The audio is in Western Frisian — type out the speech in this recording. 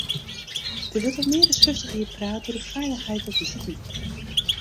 Der wurdt al mear as fyftich jier praat oer de feilichheid op de diken.